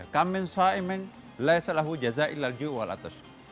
kamen sa'imen lai salahu jaza'i la'l ju'wal atas